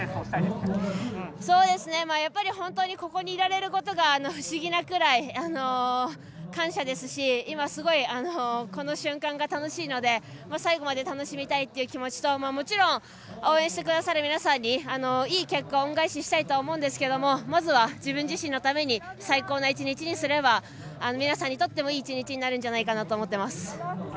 本当に、ここにいられることが不思議なくらい感謝ですし今すごい、この瞬間が楽しいので、最後まで楽しみたいという気持ちともちろん応援してくださる皆さんにいい結果を恩返ししたいと思うんですけどもまずは、自分自身のために最高の１日にすれば皆さんにとってもいい１日になるんじゃないかと思っています。